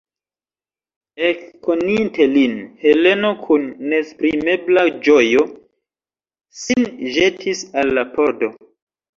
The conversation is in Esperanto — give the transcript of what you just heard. Ekkoninte lin, Heleno kun neesprimebla ĝojo sin ĵetis al la pordo.